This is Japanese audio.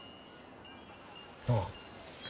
ああ。